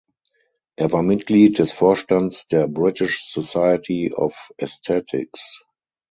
Er war Mitglied des Vorstands der British Society of Aesthetics.